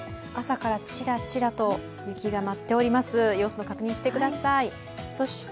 朝からチラチラと雪が舞っております、様子を確認してください。